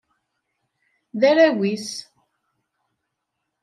D arraw-is.